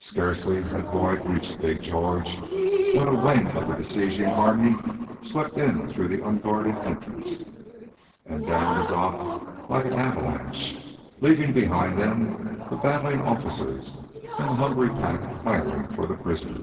Scarcely had Boyd reached Big George, when a wing of the besieging army swept in through the unguarded entrance and down the dock like an avalanche, leaving behind them the battling officers and the hungry pack clamoring for the prisoner.